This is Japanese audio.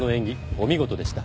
お見事でした。